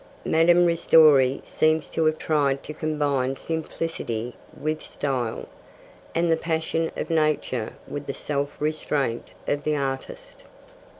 Madame Ristori seems to have tried to combine simplicity with style, and the passion of nature with the self restraint of the artist.